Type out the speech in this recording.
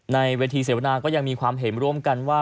ในเวทีเสวนาก็ยังมีความเห็นร่วมกันว่า